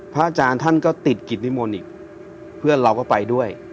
อาจารย์ท่านก็ติดกิจนิมนต์อีกเพื่อนเราก็ไปด้วย